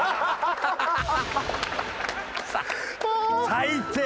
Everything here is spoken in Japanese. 最低。